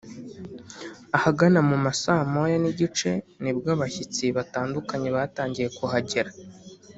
Ahagana mu ma saa moya n’igice nibwo abashyitsi batandukanye batangiye kuhagera